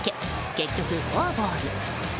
結局、フォアボール。